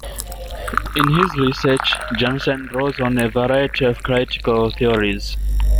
In his research, Jensen draws on a variety of critical theories.